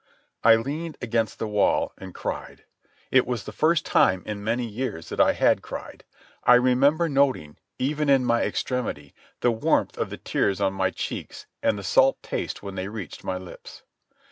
I leaned against the wall and cried. It was the first time in many years that I had cried. I remember noting, even in my extremity, the warmth of the tears on my cheeks and the salt taste when they reached my lips.